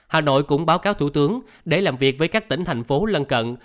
hà nội cũng báo cáo thủ tướng để làm việc với các tỉnh thành phố lân cận